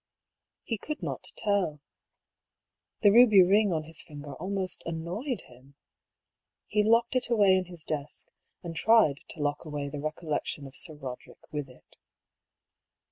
He could not tell. The ruby ring on his finger almost annoyed him. He locked it away in his desk, and tried to lock away the recollection of Sir Boderick with it.